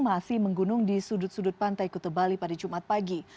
masih menggunung di sudut sudut pantai kute bali pada jumat pagi